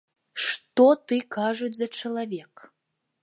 Што ты, кажуць, за чалавек!